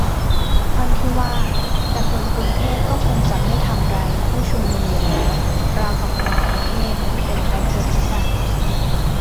ท่อนที่ว่า "แต่คนกรุงเทพก็คงจะไม่ทำไรผู้ชุมนุมอยู่แล้ว" ราวกับคนกรุงเทพเป็นพระโพธิสัตว์